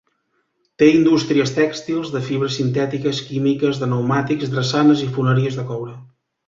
Té indústries tèxtils, de fibres sintètiques, químiques, de pneumàtics, drassanes i foneries de coure.